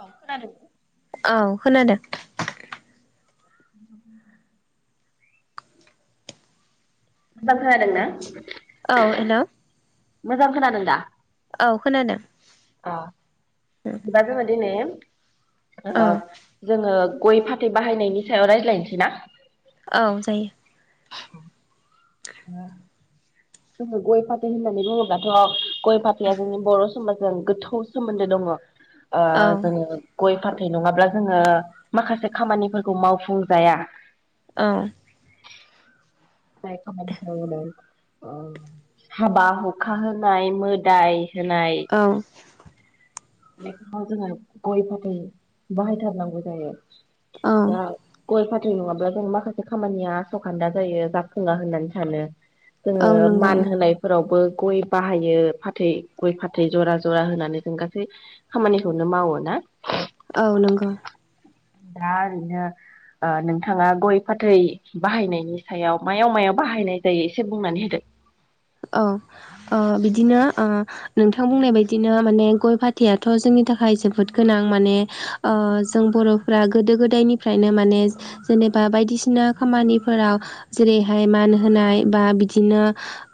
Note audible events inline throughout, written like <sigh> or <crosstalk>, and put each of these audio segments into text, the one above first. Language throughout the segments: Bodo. अ खोनादों औ खोनादों <inaudible> एबार खोनादों ना? औ हेलौ मोजां खोनादों दा? खोनादों अ बिदिबा जोङो दिनै औ ओ जोङो गइ फाथै बाहायनायनि सायाव रायज्लायनोसै ना? औ जायो। <inaudible> जोङो गइ फाथै होननानै बुंङोब्लाथ' गय फाथैया जोंनि बर' समाजजों गोथौ सोमोन्दो दङ। ओ औ जोङो गय फाथै नङाब्ला जोङो माखासे खामानिफोरखौ मावफुंजाया। औ। <unintelligible> हाबा हुखा होनाय मोदाय औ। बे समाव जोंहा गय फाथै बाहायथारनांगौ जायो। औ दा गय फाथ थै नङाब्ला जों माखासे खामानिया आसखान्दा जायो जाफ खोङा होननानै सानो औ ओ नंगौ मान होनायफोरावबो गय बाहायो फाथै गय फाथै जरा जरा होनानै जों गासै खामानिखौनो मावो ना? औ नंगौ। दा ओरैनो ओ नोंथाङा गय फाथै बाहायनायनि सायाव मायाव मायाव बाहायनाय जायो एसे बुंनानै होदो। औ ओ बिदिनो ओ नोंथां बुंनाय बायदिनो माने गय फाथैयाथ' जोंनि थाखाय जोबोद गोनां माने जों ओ बर'फोरा गोदो गोदायनिफ्रायनो माने जेनेबा बायदिसिना खामानिफोराव जेरैहाय मान होनाय बा बिदिनो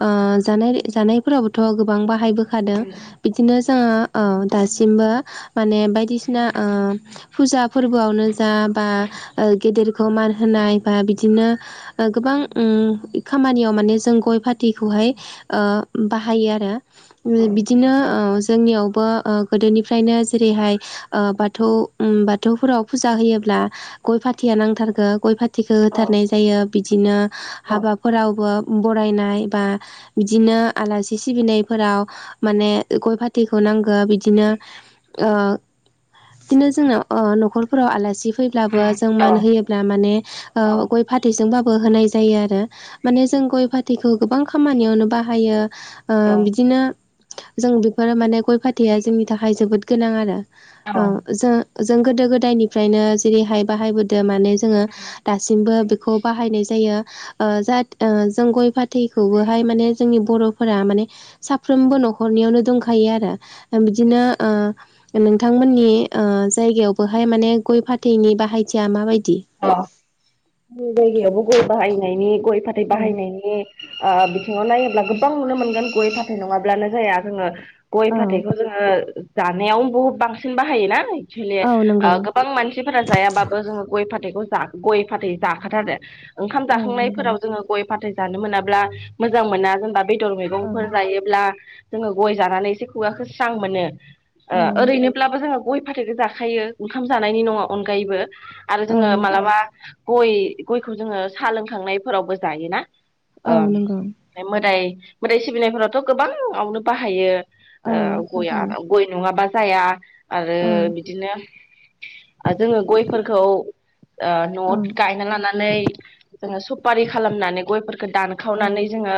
ओ जानाय जानायफोराबोथ' गोबां बाहायबो खादों बिदिनो जो ङो औ दासिमबो माने बायदिसिना ओ फुजा फोरबोआवनो जा बा गेदेरखौ मान होनाय बा बिदिनो गोबां उम खामानियाव माने जों गय फाथ फाथैखौहाय ओ बाहायो आरो बिदिनो ओ जोंनियावबो ओ गोदोनिफ्रायनो जेरैहाय ओ बाथौ उम बाथौफोराव फुजा होयोब्ला गय फाथैया नांथारगो गय फा थैखो औ होथारनाय जायो। बिदिनो हाबाफोरावबो बरायनाय बा बिदिनो आलासि सिबिनायफोराव माने गय फाथैखौ नांगौ बिदिनो ओ बिदिनो जोङो ओ न'खरफोराव आलासि फैब्लाबो जों औ मान होयोब्ला मान ओ गय फाथैजोंबाबो होनाय जायो आरो माने जों गय फाथैखौ गोबां खामानियावनो बाहायो। ओ औ बिदिनो जों बेफोरो माने गय फाथैया जोंनि थाखाय जोबोद गोनां आरो। ओ औ जों जों गोदो गोदायनिफ्रायनो जेरैहाय बाहायबोदो माने जोङो दासिमबो बेखौ बाहायनाय जायो। ओ जात जों गय फाथ फाथैखौबो हाय माने जोंनि बर'फोरा माने साफ्रोमबो न'खरनियावनो दंखायो आरो बिदिनो ओ नोंथांमोननि ओ जायगायावबोहाय माने ओ गय फाथैनि बाहायथिया माबाय अ जोंनि जायगायावबो गय बाहायनायनि गय फाथै औ बाहायनायनि ओ बिथिङाव नायो ब्ला गोबां नुनो मोनगोन गय फाथै नङाब्लानो जाया जोङो गय फाथैखौ जोङो जानायाव बहुद बांसिन बाहायनाय भिले औ ओ नंगौ गोबां मानसिफोरा जायाबाबो जोंङो गय फाथैखौ गय फाथै जाखाथारो। ओंखाम औ नंगौ जाखांनायफोराव जोङो गय फाथै जानो मोनाब्ला मोजां मोना जेनेबा बेदर औ मैगंफोर जायोब्ला जोङो गय जानानै एसे खुगाखौ स्रां मोनो। ओ औ ओरैनोब्लाबो जोङो गय फाथैखो जाखायो ओंखाम जानायनि नङा अनगायैबो आरो औ जोङो नंगौ मालाबा गय गयखौ जोङो साह लोंखांनायफोरावबो जायोना। औ ओम नंगौ मोदाय मोदाइ सिबिनायफोराथ गोबां आवनो बाहायो। औ ओ गया बाहायो गय नङाबा जाया आरो औ बिदिनो जोङो गयफोरखौ। ओ औ नआव गायना लानानै जोङो सफारि खालामनानै गयफोरखौ औ दानखावनानै जोङो।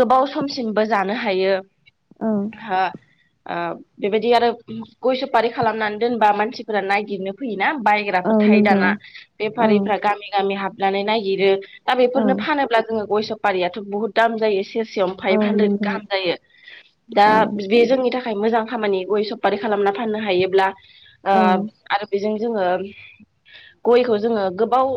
गोबाव समसिमबो जानो हायो। औ हा ओ बेबायदि आरो गय सफारि खालामनानै दोनबा मानसिफोरा नायगिरनो फैयोना बायग्रा। औ थायो नंगौ दाना औ बेफारिफ्रा गामि-गामि हाब। लानानै नायागिरो। दा औ बेफोरनो फानोब्ला जोङो गयस। पारियााथ बहुत दाम जायो एसे। औ फाइभ हान्द्रेद नंगौ गाहाम जायो दा औ बे जोंनि थाखाय थाखाय मोजां खामानि गय सफारि खालामना फाननो हायोब्ला। ओ औ आरो बेजों जोङो। गयखौ जोङो गोबाव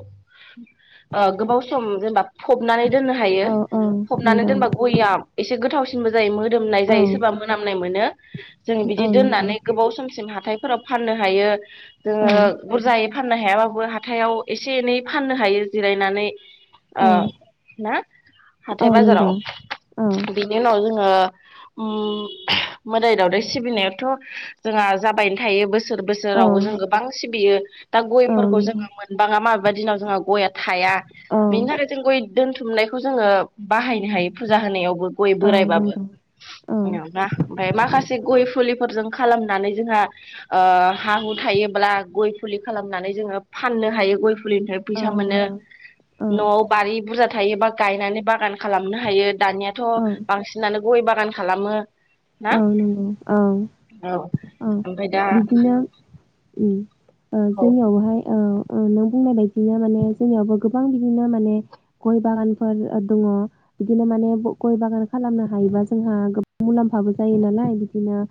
ओ गोबाव सम जेनेबा फबनानै दोननो हायो औ औ फबनानै नंगौ दोनबा गयाम एसे गोथाव। जायो मोदोमनाय औ जायो सोरबा मोनामनाय मोनो। जों औ बिदि नंगौ दोननानै गोबाव समसिम हाथाय। फोराव फाननो हायो। जोङो औ बुरजायै। फाननो हायाबाबो हाथायाव एसे एनै फाननो हायो जिरायनानै। ओ औ ना हाथाय औ बाजाराव नंगौ औ बिनि उनाव जों ओयो उम मोदाय दावदाय सिबिनायाथ जोंहा जाबायनो थायो बोसोर सोर औ नंगौ बोसोरावबो जों गोबां सिबियो। दा औ गयफोरखौ नंगौ औ नंगौ जोङो मोनबाङा माबबा दिनाव जोंहा गया। थाया औ बिनि थाखाय जों गय। दोनथुमनायखौ जोङो बाहायनो हायो फुजा होनायाव। गय-गय बोरायबाबो आनिओमफ्रा ओमफ्राय माखासे गय फुलिफोरजों खालामनानै जोंहा ओयो हा हु थायोब्ला गय फुलि। खालामनानै जोङो फाननो हायो गय फ फुलिनिफ्राय औ फैसा मोनो नआव बारि बुरजा थायोबा गायनानै बागान खालामनो हायो दानियाथ' बांसिनानो गय बागान खालामो। ना ओं नंगौ ओं औ ओं ओमफ्राय दा बिदिनो उम। ओं औ जोंनियाव हाय ओयो। ओयो नों बुंनाय बायदिनो माने जोंनियावबो गोबां बिदिनो माने गय बागानफोर ओयो दङ बिदिनो माने ग-गय बागान खालामनो हायोबा जोंहा गोबां मुलाम फाबो जायो नालाय बिदिनो।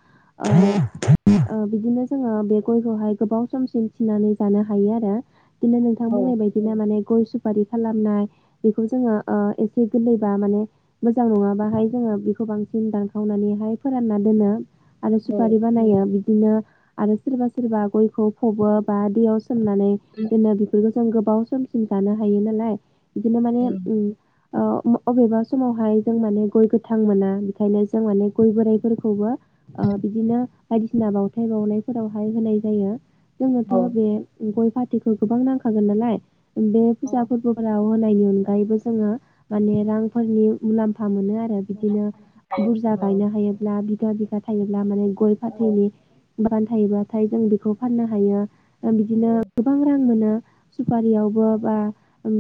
औ <unintelligible> ओ बिदिनो जोङो बे गयखौहाय गोबाव समसिम थिनानै जानो हायो आरो। बिदिनो नोंथां औ बुंनाय बायदिनो माने। गय सुपारि खालामनाय बेखौ जोङो ओ एसे गोरलैबा माने मोजां नङाबा हाय जोङो बिखौ बांसिन दानखावनानै हा बेहाय फोरानना दोनो। आरो औ सुपारि बानायो बिद बिदिनो आरो सोरबा सोरबा गयखौ फबो बा दैयाव सो सोमनानै दोनो बिफोरखौ। जों गोबाव समसिम जानो हायो नालाय बिदिनो माने उम। अ उम अबेबा समावहाय जों माने गय गोथां मोना बेखायनो जों माने गय बोराइफोरखौबो ओ बिदिनो बायदिसिना बावथाय बावनायफोरावहाय होनाय जायो। औ जोंनाथ' बे उम गय फाथ <unintelligible> गोबां नांखागोन नालाय। बे औ फुजा फोरबोफोराव हनायनि अनगायैबो जोङो माने रांफोरनि मुलामफ फा मोनो आरो लुनानै बिदिनो थानो थाखाय बुरजा औ गायनो हायोब्ला बि बिगा बिगा थायोब्ला माने गय औ फाथैनि बागान थायोबाथाय जों बेखौ फाननो हायो। औ बिदिनो गोबां रां मोनो। सुपारियावबो बा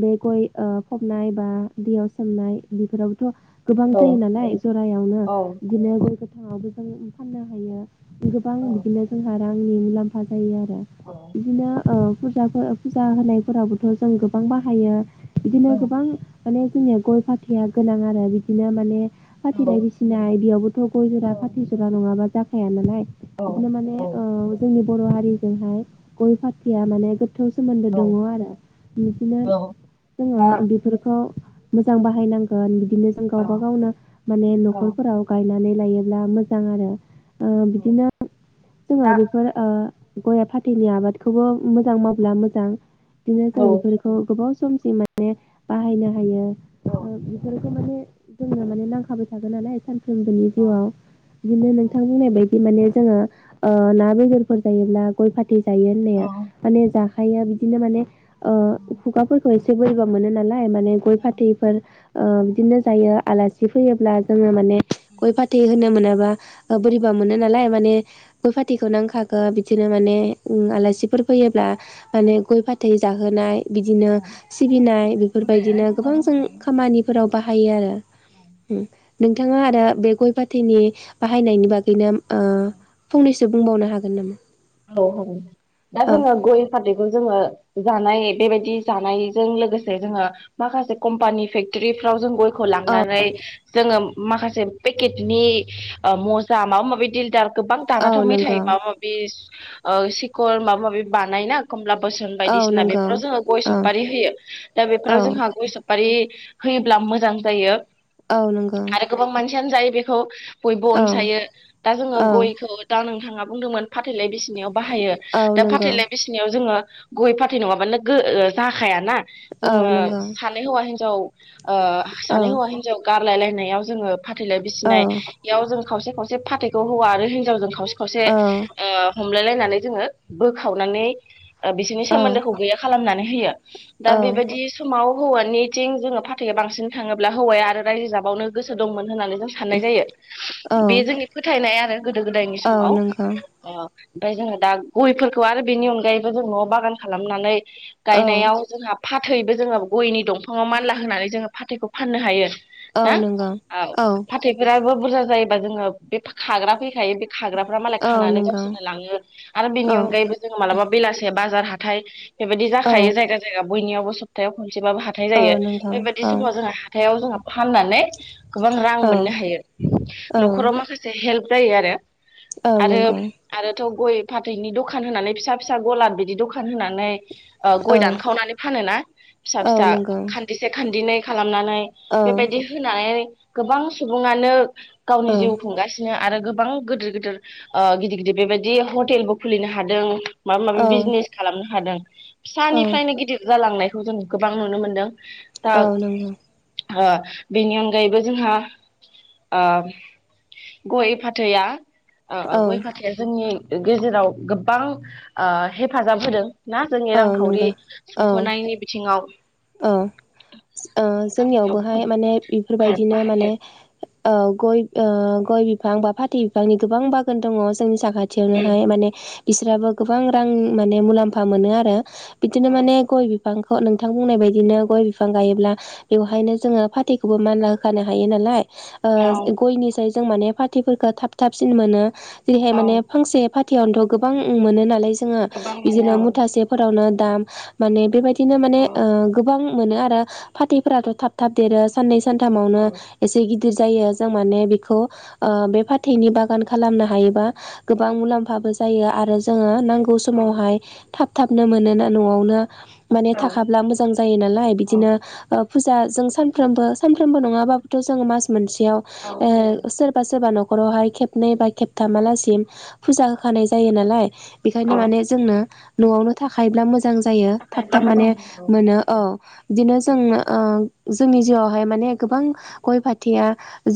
बे गय ओ फबनाय बा दैयाव सोमनाय बेफोरावथ' गोबां औ जायो नालाय जरायावनो। औ बिदिनो गय गोथाङावबो जों फाननो हायो। गोबां औ बिदिनो जोंहा रांनि मुलाम्फा जायो आरो। बिदिनो ओ फुजाफोर फुजा होनायफोराबोथ' जों गोबां बाहायो। बिदिनो गोबां माने निया गय फाथैया गोनां आरो बिदिनो माने फाथैलाय बिसिनाइ थ' गय जरा फाथै जरा नं ङाबा जाखाया नालाय औ बिदिनो माने औ ओ जोंनि बर' हारिजोंहाय गय फाथैया माने गो थौ सोमोन्दो दङ आरो बिदिनो दा जोङो बिफोरखौ मोजां बाहायनांगोन बि दिनो जों औ गावबा गावनो माने औ न'खरफोराव नानै लायोब्ला मोजां आरो। ओ बिदिनो जोङो दा औ बेफोर ओ गय फाथैनि आबादखौबो मोजां मावब्ला मोजां। बिदिनो जों बेफोरखौ गोबाव समसिम माने बाहायनो हायो। ओ बेफोरखो माने जोंनो माने नांखाबाय थागोन नालाय सान जों जों औ जिउआव बिदिनो औ नोंथां बुंनाय बायदि माने जोङो ओ ना बेदरफोर जायोब्ला गय फाथ थै जायो होननाया औ माने जा हाया बिदिनो माने ओ खुगा फोरखौ एस से बोरैबा मोनो नाला लाय माने गय फाथैफोर ओ बिदिनो जायो आलासि फैयोब्ला जोङो माने गय फाथै होनो मोनाबा ओ बोरैबा मोनो नालाय माने गय फाथैखो नांखागो बिदिनो माने उम आलासिफोर फैयोब्ला माने गय फाथै जाहोनाय बिदिनो सिबिनाय बेफोरबायदिनो गोबां जों खामानिफोराव बाहायो आरो। उम नोंथाङा आरो बे गय फाथैनि बाहायनायनि बागैनो ओ औ फंनैसो बुंबावनो हागोन नामा? औ औ दा औ जोङो गय फाथैखौ जोङो जानाय बेबायदि जानायजों लोगोसे जोङो माखासे कम्पानि फेक्टरिफ्राव जों गय खौ लांनानै जोङो माखास जे पेकेतनि ओ मजा माबा माबि दिलदार गोबां औ औ दानाथ' मेथाय नंगौ माबा माबि ओ सिखर माबा माबि बानायोना खमलाब बोसोन औ बायदिसिना नंगौ बेफोराव जोंओ गय औ सपारि होयो दा औ बेफोराव जोंहा गय सफपारि होयोब्ला मोजां जायो। औ नंगौ। थेयान जायो बेखौ बयबो अनसायो औ दा जोङो औ गयखौ दा नों थाङा बुंदोंमोन फाथैलाय बिस नियाव बाहायो औ दा नंगौ फाथैलाय बिसिनायाव जोङो गय फाथै नङाबानो गो जाखायाना औ जोङो नंगौ सानै हौवा हिन जाव ओ औ सानै हौवा हिन्जाव गाब फुनलायलायनायाव जोङो फाथैलाय औ बिसिनाय एयाव जों खावसे खावसे फाथैखौ हौआ आरो हि नजावजों खावसे खावसे औ ओ हमलाय लायनानै जोङो बोखावनानै ओ बिसोरनि सोमोन्दोखौ गैया खालामनानै हियो दा औ बेबायदि सममाव हौवानिथिं जोङो फाथैआ बांसिन थाङोब्ला हौवाया आरो रायजो जाबावनो गोसो दंमोन होननानै जों साननाय जायो औ बे जोंनि फोथायनाया गोदो गोदायनि औ समाव नंगौ अ ओमफ्राय जोङो दा गयफोरखौ आरो बेनि अनगायैबो जों नआव बागान खालामनानै औ गायनायाव जोंहा फाथैबो जोङो गयनि दंफाङाव मानला होनानै जोङो फाथैखौ फाननो हायो औ ना नंगौ औ फाथैफोराबो बुरजा जायोबा जोंङो बे खाग्रा फोर थायो बे खाग्राफ्रा मालाय औ खानानै नंगौ बासि लांङो आरो बेनि औ अनगायैबो जोङो मालाबा बेलासिम बाजार हाथाय बेबायदि औ जाखायो जायगा जायगा बयनियावबो स्थायाव खन सेबाबो हाथाय औ जायो नंगौ बेबायदि औ समाव जोंहा हाथायाव जोङो फाननानै गोबां रां मोननो औ हायो औ नखराव माखासे हेल्प जायो आरो औ आरो नंगौ आरोथ गय फाथैनि दखान होनानै फिसा फिसा गलाद बिदि दखान होनानै ओ गय औ दानखावनानै फानोना फिसा औ फिसा नंगौ खान्दिसे खान्दिनै हनानै औ बेबायदि होनानै। गोबां सुबुङानो। गावनि जिउ खुंगासिनो आरो गोबां गोदोर गोदोर ओ गिदिर गिदिर बेबायदि हटेलबो खुलिनो हादों। माबा माबि औ बिजनेस खालामनो हादों। औ फिसानिफ्रायनो गिदिर जालांनाय खौ जों गोबां नुनो मोन्दों। औ नंगौ। बेनि अनगायैबो जोंहा गय फाथैया अ अ औ गयख फा नि गेजेराव गोबां हेफाजाब होदों। ना जोंनि औ नंगौ रांखावरि औ सुख'नायनि बिथिङाव? औ जोंनियावबोहाय माने बेफोरबायदिनो माने गय बिफां बिफां बा फाथै बिफांनि गोबां बागान दङ जोंनि साखा खाथियावनोहाय माने बिसोराबो गोबां रां माने मुलाम्फा मोनो आरो। बिदिनो माने गय बिफां बिाफांखौ नोंथां बुंनाय बायदिनो गय बिफां गायोब्ला बेवहायनो जोङो फाथैखौबो मानला होखानो हायो नालाय। ओ औ गयनि जाय जों माने पार्टिफोरखौ थाब थाबसिन मोनो। जेरैहाय औ माने फांसे फाथैयावनोथ' गोबां मोनो नालाय। जोङो गोबां मोनो बिदिनो मुथासेफोरावनो दाम माने बेबायदिनो माने। औ ओ गोबां मोनो आरो फाथैफोराथ' थाब थाब देरो साननै औ सानथामावनो एसे गिदिर गिदिर जायो जों माने बे फाथैनि बागान खालामनो हायोबा गोबां मुलाम्फाबो जायो आरो जों नांगौ नांगौ समावहाय थाब थाबनो मोनोना न'आवनो माने खाब्ला मोजां जायो नालाय बिदिनो अ फुजा जों सानफ्रामबो सानफ्रामबो नङाबाबोथ' जों मास मोनसे याव सोरबा सोरबा न'खरावहाय खेबनै बा खेबथामालासिम फुजा होखानाय जायो नालाय बेखायनो माने जोंनो न'आवनो थाखायोब्ला मोज जां जायो थाब थाब माने मोनो औ बिदिनो जों ओ जोंनि जिउआवहाय माने गोबां गय फाथैया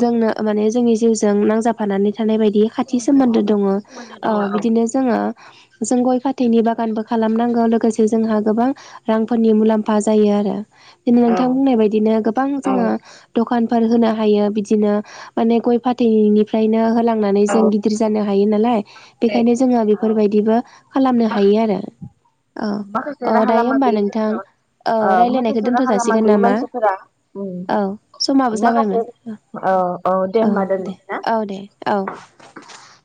जोंनो माने जोंनि जिउजों नांजाबफानानै थानाय बायदि खाथि सोमोन्दो दङ ओ बिदिनो जोङो जों गय फाथैनि बागानबो खालामनांगौ लोगोसे जोंहा गोबां रांफोरनि मुलाम्फा जायो आरो <unintelligible> नोंथां औ बुंनाय बायदिनो गोबां औ जोङो द'खान फोर होनो हायो बिदिनो माने गय फाथैनिफ्रायनो होलां नानै जों औ गिदिर जानो हायो नालाय बेखायनो जोङो औ बेफोरबायदिबो खालामनो हायो आरो औ माखासे औ राहा दायो लामा होमबा गैयि नोंथां जेनेबा औ ओ रायलायनायखौ माखासे दोनथ' राहा लामा जाासिगोन गैयि नामा मानसिफोरा औ समाबो माखासे जाबायमोन औ दे औ होमबा दे दोननोसै ना औ दे औ